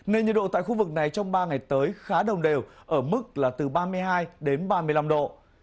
nên nhiệt độ tại khu vực này trong ba ngày tới khá đồng đều ở mức là từ ba mươi hai đến ba mươi năm độ